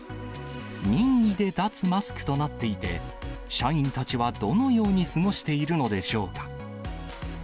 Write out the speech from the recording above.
任意で脱マスクとなっていて、社員たちはどのように過ごしているのでしょうか。